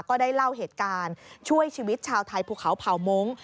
ก็ได้เล่าเหตุการณ์ช่วยชีวิตชาวไทยภูเขาเผ่ามงค์